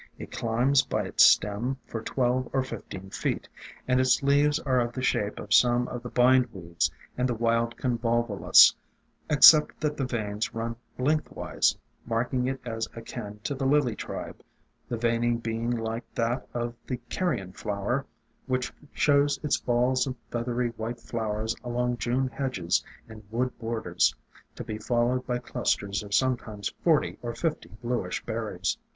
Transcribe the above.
It climbs by its stem for twelve or fifteen feet, and its leaves are of the shape of some of the Bindweeds and the Wild Convolvulus, except that the veins run lengthwise, marking it as akin to the Lily tribe, the veining being like that of the Carrion Flower, which shows its balls of feathery white flowers along June hedges and wood bor ders, to be followed by clusters of sometimes forty or fifty bluish berries.